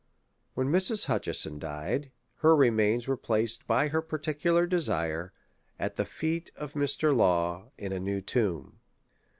When Mrs. Hutcheson died, her remains were placed, by her particular desire, at the feet of Mr. Law, in a new tomb.